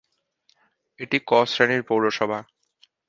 এটি 'ক' শ্রেণীর পৌরসভা।